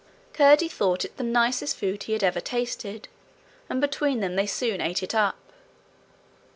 Curdie thought it the nicest food he had ever tasted, and between them they soon ate it up.